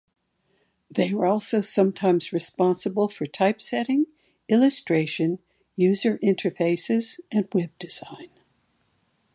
They are also sometimes responsible for typesetting, illustration, user interfaces, and web design.